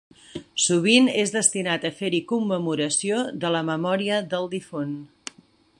Sovint és destinat a fer-hi commemoració de la memòria del difunt.